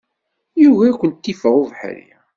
Yugi ad kent-iffeɣ ubeḥri.